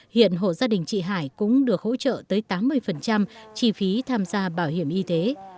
hiện hộ gia đình chị hải cũng được hỗ trợ tới tám mươi chi phí tham gia bảo hiểm y tế